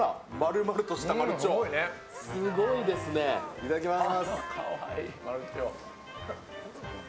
いただきます。